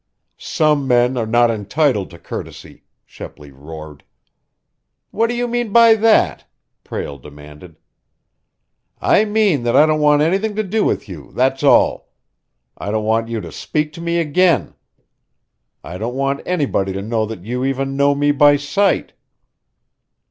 "Some men are not entitled to courtesy," Shepley roared. "What do you mean by that?" Prale demanded. "I mean that I don't want anything to do with you, that's all! I don't want you to speak to me again! I don't want anybody to know that you even know me by sight!"